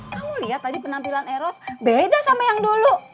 kamu lihat tadi penampilan eros beda sama yang dulu